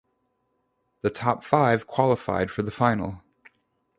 The top five qualified for the final.